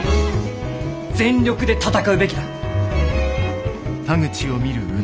全力で戦うべきだ。